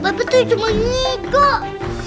bapak tuh cuma ngigok